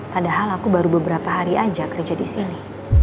padahal aku baru beberapa hari aja kerja disini